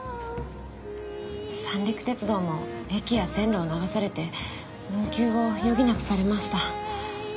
三陸鉄道も駅や線路を流されて運休を余儀なくされました。